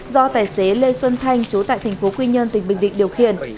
do tài xế lê xuân thanh trú tại tp quy nhơn tỉnh bình định điều khiển